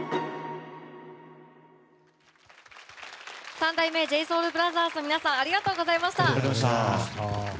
三代目ＪＳＯＵＬＢＲＯＴＨＥＲＳの皆さんありがとうございました。